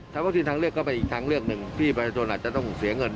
แต่ว่าที่ทำเรื่องก็ตั้งเป็นเรื่องหนึ่งพิสิฟะโน้ทจะต้องเสียเงิน